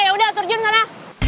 yaudah terjun sana